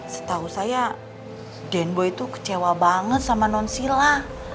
setahu saya den boy itu kecewa banget sama nonsila